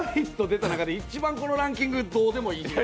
出た中でこのランキング、一番どうでもええ。